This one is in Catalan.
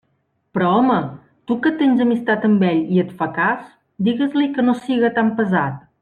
Però home, tu que tens amistat amb ell i et fa cas, digues-li que no siga tan pesat!